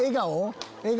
笑顔？